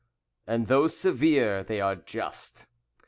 ] and though severe they are just.